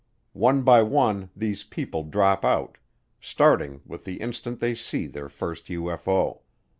One by one these people drop out, starting with the instant they see their first UFO.